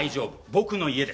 僕の家です。